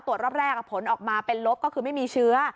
รอบแรกผลออกมาเป็นลบก็คือไม่มีเชื้อ